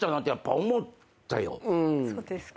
そうですか。